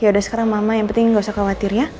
yaudah sekarang mama yang penting gak usah khawatir ya